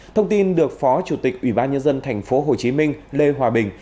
thông tin được phó chủ tịch ủy ban nhân dân thành phố hồ chí minh lê hòa bình